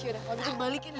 yaudah kalau gitu balikin aja